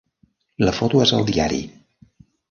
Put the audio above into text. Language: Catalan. La foto és al diari!